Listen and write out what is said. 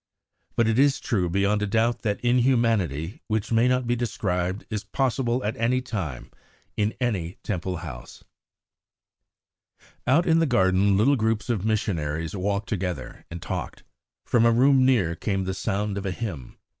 But it is true beyond a doubt that inhumanity which may not be described is possible at any time in any Temple house. Out in the garden little groups of missionaries walked together and talked. From a room near came the sound of a hymn.